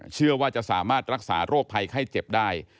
เชื่อว่าจะสามารถรักษาโรคภัยไข้เจ็บได้